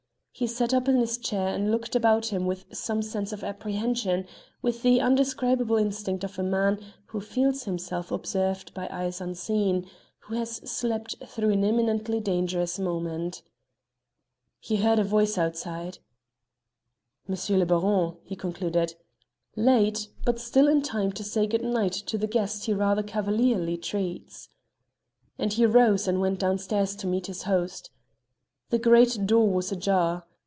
He sat up in his chair and looked about him with some sense of apprehension, with the undescribable instinct of a man who feels himself observed by eyes unseen, who has slept through an imminently dangerous moment. He heard a voice outside. "M. le Baron," he concluded. "Late, but still in time to say good night to the guest he rather cavalierly treats." And he rose and went downstairs to meet his host. The great door was ajar.